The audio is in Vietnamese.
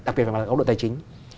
đặc biệt là ở ốc độ tài chính